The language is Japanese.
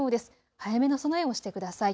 早めの備えをしてください。